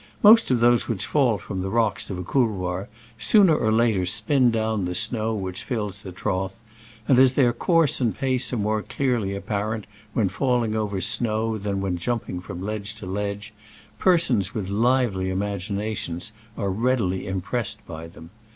Most of those which fall from the rocks of a couloir sooner or later spin down the snow which fills the trough, and as their coursi; and pace are more clearly apparent when falling over snow than when jumping from ledge to ledge, per sons with lively imaginations are readily impressed by them.